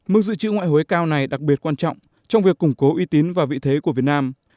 mức dự trữ ngoại hối cao này đặc biệt quan trọng trong việc củng cố uy tín và vị thế của việt nam